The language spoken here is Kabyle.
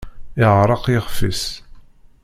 Yeɛreq yixf-is.